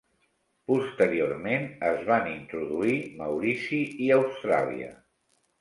Posteriorment es van introduir Maurici i Austràlia.